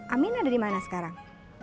amin ada dimana sekarang